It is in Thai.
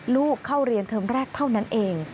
ลูกเข้าเรียนเทอมแรกเท่านั้นเอง